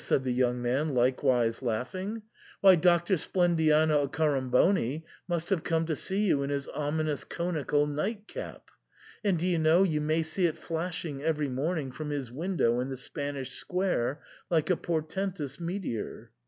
said the young man, likewise laughing, " why, Doctor Splendiano Accoramboni must have come to see you in his ominous conical nightcap ; and, do you know, you may see it flashing every morn ing from his window in the Spanish Square like a por tentous meteor.